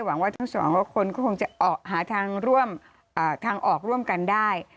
หวังว่าทั้งสองคนก็คงจะหาทางร่วมทางออกร่วมกันได้